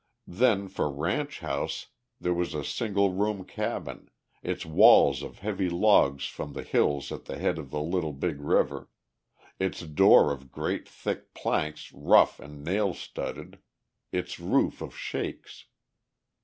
Then, for ranch house, there was a single room cabin, its walls of heavy logs from the hills at the head of the Big Little River, its door of great thick planks rough and nail studded, its roof of shakes.